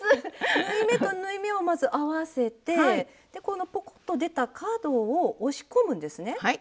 縫い目と縫い目をまず合わせてこのポコッと出た角を押し込むんですね。